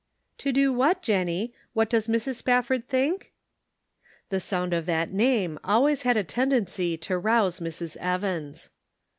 " To do what, Jennie ? What does Mrs. Spafford think?" The sound of that name always had a ten dency to rouse Mrs. Evans.